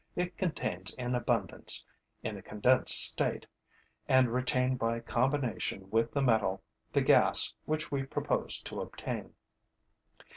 It contains in abundance, in a condensed state and retained by combination with the metal, the gas which we propose to obtain.